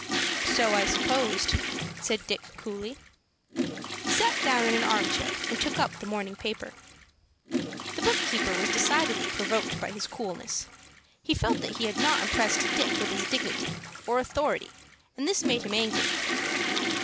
"So I supposed," said Dick, coolly. He sat down in an arm chair, and took up the morning paper. The book keeper was decidedly provoked by his coolness. He felt that he had not impressed Dick with his dignity or authority, and this made him angry.